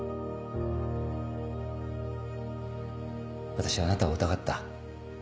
私はあなたを疑った。